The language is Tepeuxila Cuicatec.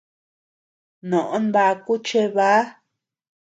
Noʼó nbaku chebä.